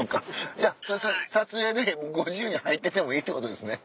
じゃ撮影でご自由に入っててもいいってことですね？